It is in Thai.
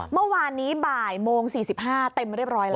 เมื่อวานนี้บ่ายโมง๔๕เต็มเรียบร้อยแล้ว